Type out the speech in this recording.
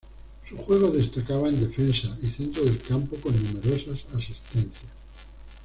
Su juego destacaba en defensa y centro del campo, con numerosas asistencias.